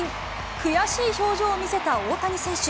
悔しい表情を見せた大谷選手。